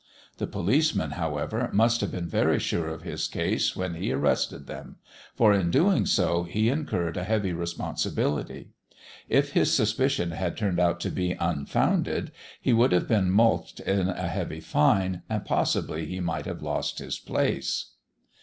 The policeman, however, must have been very sure of his case when he arrested them; for in doing so he incurred a heavy responsibility. If his suspicions had turned out to be unfounded, he would have been mulcted in a heavy fine, and possibly he might have lost his place.